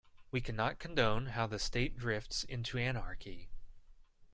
We cannot condone how the state drifts into anarchy.